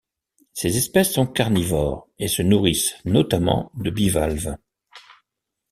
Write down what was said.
Ces espèces sont carnivores et se nourrissent notamment de bivalves.